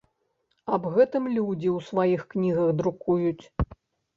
Аб гэтым людзі ў сваіх кнігах друкуюць.